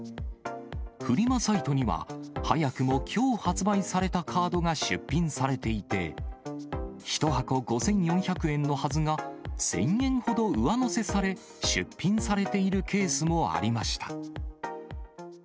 フリマサイトには、早くもきょう発売されたカードが出品されていて、１箱５４００円のはずが、１０００円ほど上乗せされ、出品されているケースもありました。